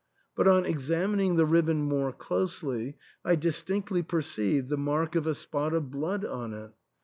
But, on examining the ribbon more closely, I distinctly per ceived the mark of a spot of blood on it